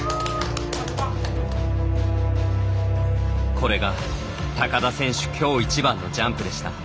これが高田選手きょう１番のジャンプでした。